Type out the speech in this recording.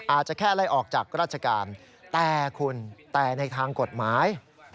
อาจจะแค่ไล่ออกจากราชการแต่คุณแต่ในทางกฎหมาย